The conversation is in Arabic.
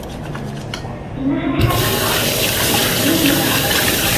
إنها الحياة لن تفهمها.